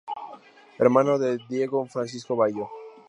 Hermano de Diego Francisco Bayo.